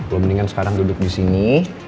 lo mendingan sekarang duduk disini